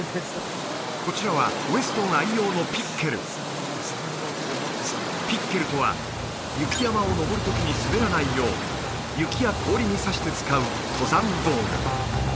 こちらはウェストン愛用のピッケルピッケルとは雪山を登る時に滑らないよう雪や氷に刺して使う登山道具